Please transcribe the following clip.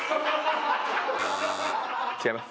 違います。